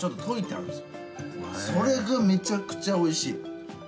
それがめちゃくちゃおいしい。